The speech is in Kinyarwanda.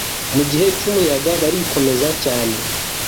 mu gihe cyumuyaga barikomeza cyane